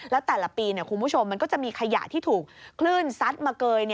แล้วแต่ละปีคุณผู้ชมมันก็จะมีขยะที่ถูกคลื่นซัดมาเกย